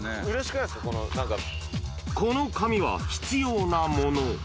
なんこの紙は必要なもの。